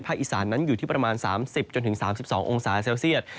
อีสานนั้นอยู่ที่ประมาณ๓๐๓๒องศาเซลเซียต